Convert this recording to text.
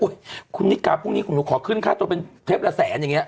คุณนิกาพรุ่งนี้คุณหนูขอขึ้นค่าตัวเป็นเทปละแสนอย่างนี้